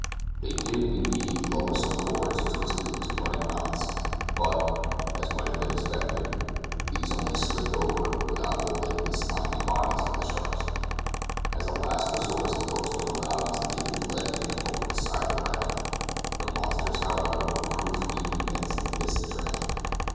They did, indeed, lower some cords twisted into running knots, but (as might have been expected) these only slipped over, without holding, the slimy bodies of the sharks. As a last resource the boatswain allowed his naked leg to hang over the side of the raft; the monsters, however, were proof even against this attraction.